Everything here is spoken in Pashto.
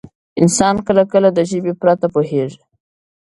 انسان کله کله د ژبې پرته پوهېږي.